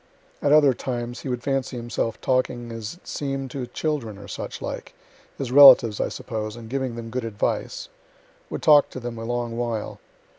At other times he would fancy himself talking as it seem'd to children or such like, his relatives I suppose, and giving them good advice; would talk to them a long while.